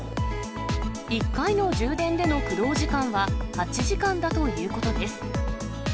１回の充電での駆動時間は８時間だということです。